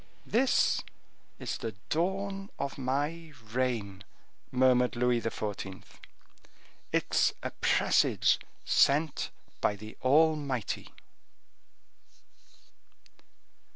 "This is the dawn of my reign," murmured Louis XIV. "It's a presage sent by the Almighty."